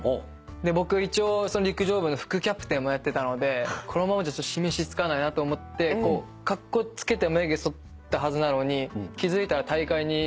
僕一応陸上部の副キャプテンもやってたのでこのままじゃ示しつかないなと思ってカッコつけて眉毛そったはずなのに気付いたら大会に丸坊主で出てました。